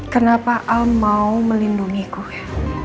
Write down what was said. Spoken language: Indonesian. kenapa al mau melindungi gue